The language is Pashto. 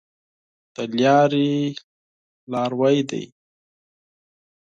د لاري لاروی دی .